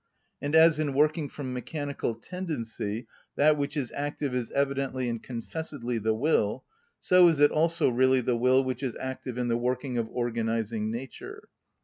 And as in working from mechanical tendency that which is active is evidently and confessedly the will, so is it also really the will which is active in the working of organising nature.